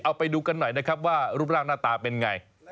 เอาไปดูกันหน่อยนะครับว่ารูปร่างหน้าตาเป็นไง